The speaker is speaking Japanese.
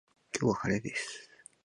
今日は晴れです